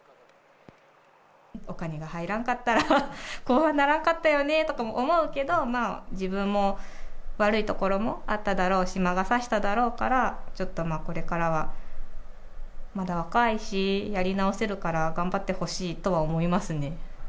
お金が入らんかったら、こうはならんかったよねとか思うけど、自分も悪いところもあっただろうし、魔が差しただろうから、ちょっとまあ、これからは、まだ若いし、やり直せるから、頑張ってほしいとは思いますね。